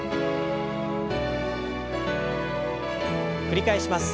繰り返します。